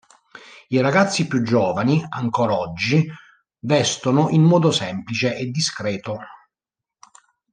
I ragazzi più giovani ancor oggi vestono in modo semplice e discreto.